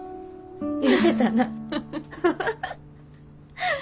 言うてたな。